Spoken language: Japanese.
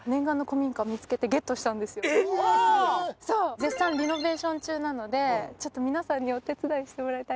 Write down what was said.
絶賛リノベーション中なので皆さんにお手伝いしてもらいたい。